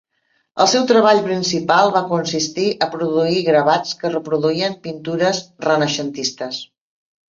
El seu treball principal va consistir a produir gravats que reproduïen pintures renaixentistes.